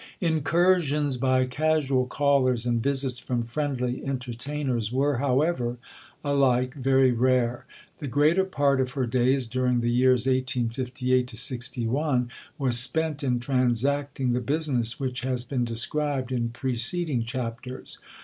Incursions by casual callers and visits from friendly entertainers were, however, alike very rare; the greater part of her days during the years 1858 61 was spent in transacting the business which has been described in preceding chapters.